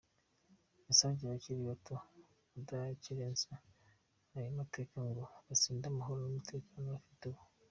Yasabye abakiri bato kudakerensa ayo mateka, ngo basinde amahoro n’umutekano bafite ubu.